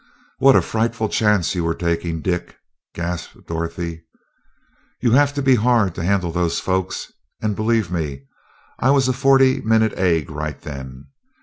"What a frightful chance you were taking, Dick!" gasped Dorothy. "You have to be hard to handle those folks and believe me, I was a forty minute egg right then.